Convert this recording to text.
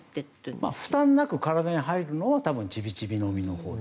負担なく体に入るのは多分、ちびちび飲みのほう。